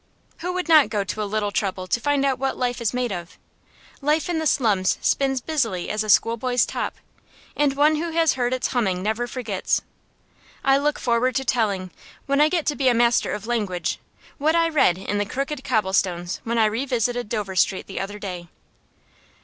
Who would not go to a little trouble to find out what life is made of? Life in the slums spins busily as a schoolboy's top, and one who has heard its humming never forgets. I look forward to telling, when I get to be a master of language, what I read in the crooked cobblestones when I revisited Dover Street the other day.